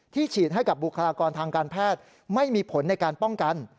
ฉีดให้กับบุคลากรทางการแพทย์ไม่มีผลในการป้องกัน